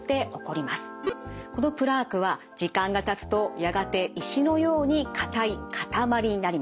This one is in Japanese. このプラークは時間がたつとやがて石のように硬い塊になります。